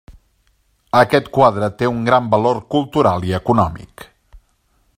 Aquest quadre té un gran valor cultural i econòmic.